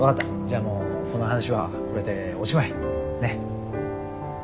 じゃもうこの話はこれでおしまい。ね。